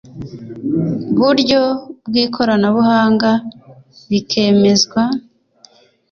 buryo bw ikoranabuhanga bikemezwa